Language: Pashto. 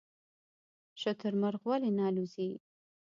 شترمرغ ولې نه الوځي؟